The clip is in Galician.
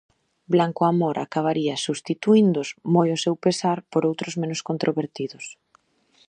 Blanco Amor acabaría substituíndoos, moi ao seu pesar, por outros menos controvertidos.